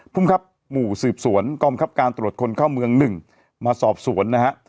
ภูมิครับหมู่สืบสวนกองคับการตรวจคนเข้าเมือง๑มาสอบสวนนะฮะ